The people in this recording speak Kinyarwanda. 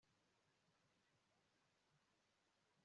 uhoraho agakunda ab'intungane